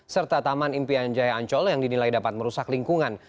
serta taman impian jaya ancol yang dinilai dapat merusak lingkungan